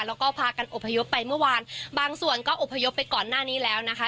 แล้วก็พากันอบพยพไปเมื่อวานบางส่วนก็อบพยพไปก่อนหน้านี้แล้วนะคะ